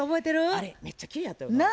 あれめっちゃきれいやったよな。